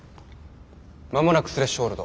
間もなくスレッシュホールド。